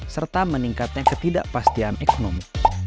serta meningkatnya ketidakpastian ekonomi